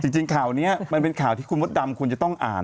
จริงข่าวนี้มันเป็นข่าวที่คุณมดดำควรจะต้องอ่าน